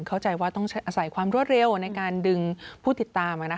เข้าใจว่าต้องอาศัยความรวดเร็วในการดึงผู้ติดตาม